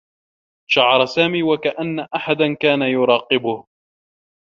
شعر سامي و كأنّ أحدا كان يراقبه.